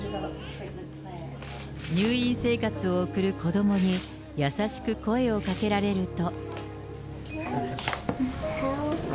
入院生活を送る子どもに、優しく声をかけられると。